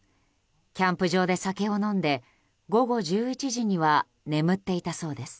キャンプ場で酒を飲んで午後１１時には眠っていたそうです。